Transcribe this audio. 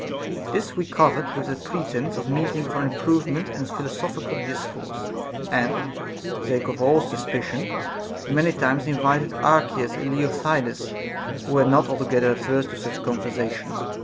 This we covered with a pretence of meeting for improvement and philosophical discourse, and, to take off all suspicion, we many times invited Archias and Leontidas, who were not altogether averse to such con versation.